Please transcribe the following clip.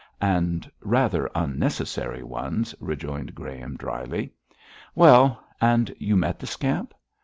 'And rather unnecessary ones,' rejoined Graham, dryly. 'Well, and you met the scamp?'